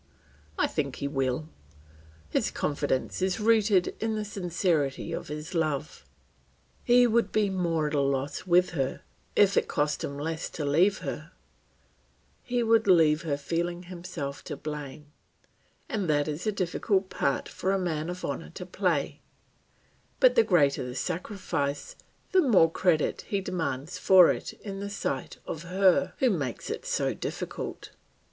I think he will; his confidence is rooted in the sincerity of his love. He would be more at a loss with her, if it cost him less to leave her; he would leave her feeling himself to blame, and that is a difficult part for a man of honour to play; but the greater the sacrifice, the more credit he demands for it in the sight of her who makes it so difficult.